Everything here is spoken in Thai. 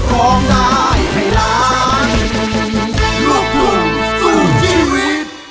ร้องหายวันใจเธอ